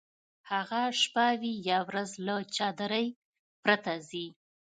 هغه شپه وي یا ورځ له چادرۍ پرته ځي.